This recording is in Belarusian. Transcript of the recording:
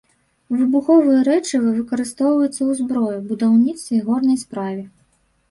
Выбуховыя рэчывы выкарыстоўваюцца ў зброі, будаўніцтве, горнай справе.